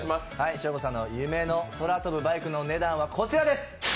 ショーゴさんの夢の空飛ぶバイクのお値段は、こちらです。